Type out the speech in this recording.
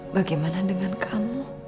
bagaimana dengan kamu